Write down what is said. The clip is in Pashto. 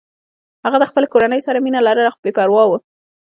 هغه د خپلې کورنۍ سره مینه لرله خو بې پروا و